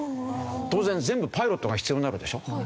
当然全部パイロットが必要になるでしょ。